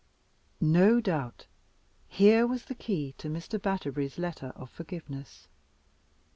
No doubt. Here was the key to Mr. Batterbury's letter of forgiveness.